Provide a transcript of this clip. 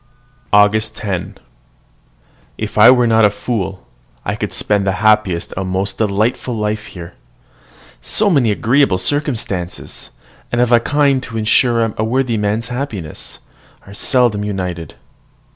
AUGUST 10. If I were not a fool, I could spend the happiest and most delightful life here. So many agreeable circumstances, and of a kind to ensure a worthy man's happiness, are seldom united.